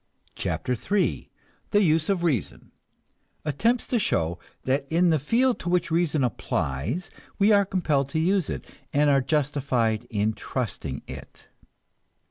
CHAPTER III THE USE OF REASON (Attempts to show that in the field to which reason applies we are compelled to use it, and are justified in trusting it.)